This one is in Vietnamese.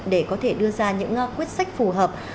để có thể đưa ra những quyết sách phù hợp